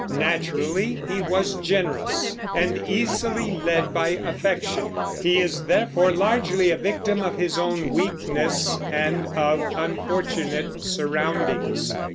Naturally he was generous, and easily led by affection. He is, therefore, largely a victim of his own weakness and of unfortunate surroundings.